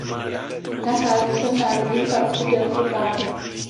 Nachází se v Národním parku delty Pádu.